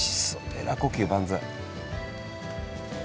えら呼吸万歳。